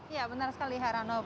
ya benar sekali herano